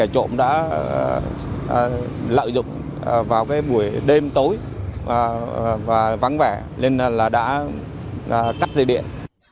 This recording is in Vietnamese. thì bị đối tượng cắt dây điện